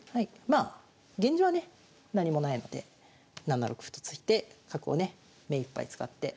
まあ現状はね何もないので７六歩と突いて角をね目いっぱい使って。